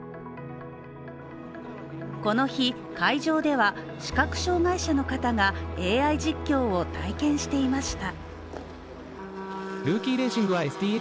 この日、会場では視覚障害者の方がＡＩ実況を体験していました。